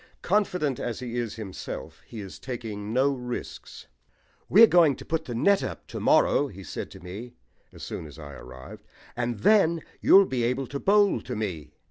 Confident as he is himself, he is taking no risks. "We're going to put the net up to morrow," he said to me as soon as I arrived, "and then you'll be able to bowl to me.